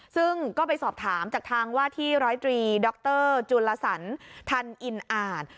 ซึ่งก็ไปสอบถามจากทางว่าที่ร้อยตรีดรจุลสันทันอินอาจ